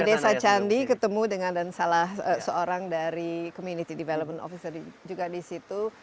desa candi ketemu dengan salah seorang dari community development officery juga di situ